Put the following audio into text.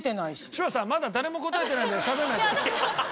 柴田さんまだ誰も答えてないのでしゃべんないで。